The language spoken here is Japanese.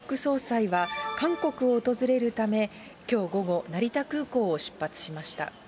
自民党の麻生副総裁は、韓国を訪れるため、きょう午後、成田空港を出発しました。